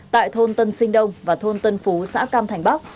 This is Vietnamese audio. tại thôn tân sinh đông và thôn tân phú xã cam thành bắc